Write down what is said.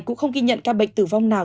cũng không ghi nhận ca bệnh tử vong nào